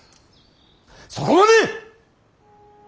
そこまで！